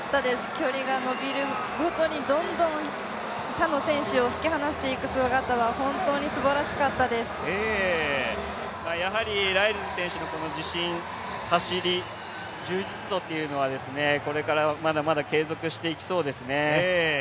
距離が伸びるごとにどんどん他の選手を引き離していく姿はライルズ選手のこの自信、走り、充実度というのはこれからまだまだ継続していきそうですね。